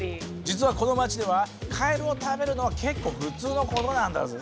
実はこの町ではカエルを食べるのは結構普通のことなんだぜ。